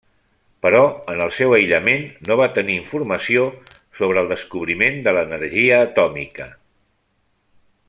Però en el seu aïllament, no va tenir informació sobre el descobriment de l'energia atòmica.